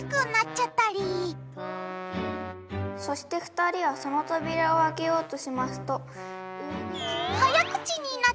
「そして二人はその扉をあけようとしますと」。